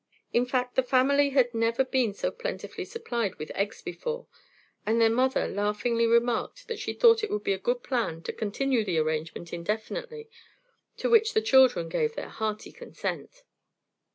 In fact the family had never been so plentifully supplied with eggs before, and their mother laughingly remarked that she thought it would be a good plan to continue the arrangement indefinitely, to which the children gave their hearty consent.